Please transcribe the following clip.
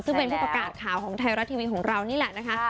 ซึ่งเป็นผู้ประกาศข่าวของไทยรัฐทีวีของเรานี่แหละนะคะ